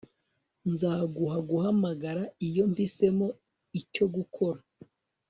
Nzaguha guhamagara iyo mpisemo icyo gukora